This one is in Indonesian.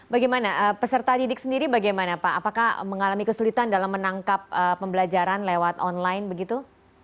bagaimana peserta didik sendiri bagaimana pak apakah mengalami kesulitan dalam menangkap pembelajaran lewat online begitu